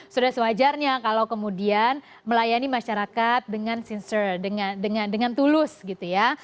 sudah sewajarnya kalau kemudian melayani masyarakat dengan sincer dengan tulus gitu ya